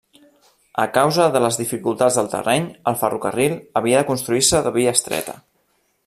A causa de les dificultats del terreny, el ferrocarril havia de construir-se de via estreta.